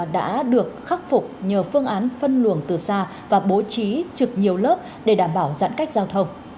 đã được khắc phục nhờ phương án phân luồng từ xa và bố trí trực nhiều lớp để đảm bảo giãn cách giao thông